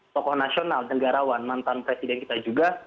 tokoh nasional negarawan mantan presiden kita juga